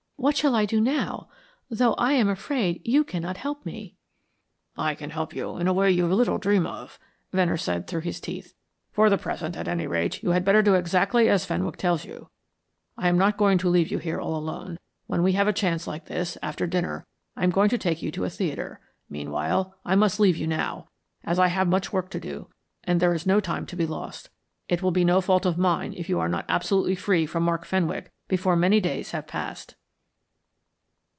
What shall I do now, though I am afraid you cannot help me?" "I can help you in a way you little dream of," Venner said through his teeth. "For the present, at any rate, you had better do exactly as Fenwick tells you. I am not going to leave you here all alone, when we have a chance like this; after dinner, I am going to take you to a theatre. Meanwhile, I must leave you now, as I have much work to do, and there is no time to be lost. It will be no fault of mine if you are not absolutely free from Mark Fenwick before many days have passed."